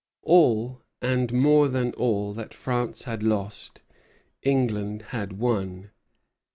All, and more than all, that France had lost England had won.